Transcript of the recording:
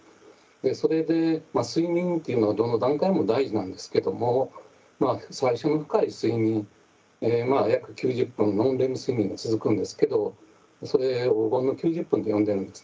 それで睡眠というのはどの段階も大事なんですけども最初の深い睡眠約９０分のノンレム睡眠が続くんですけどそれ黄金の９０分と呼んでいるんですね。